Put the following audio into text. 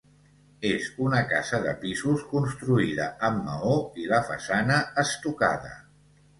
És una casa de pisos construïda amb maó i la façana estucada.